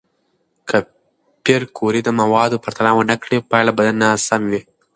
که پېیر کوري د موادو پرتله ونه کړي، پایله به ناسم وي.